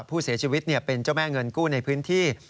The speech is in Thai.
ผู้เสียชีวิตเป็นเจ้าแม่เงินกู้ในพื้นที่